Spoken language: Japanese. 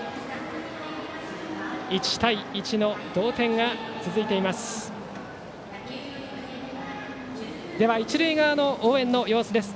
１対１の同点が続いています。